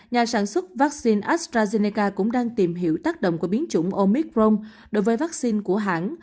nhà sản xuất vaccine astrazeneca cũng đang tìm hiểu tác động của biến chủng omicron đối với vaccine của hãng